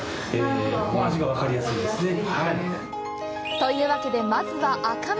というわけで、まずは赤身。